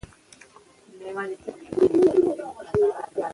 دغزنی نوم هم لکه څنګه چې تراوسه پورې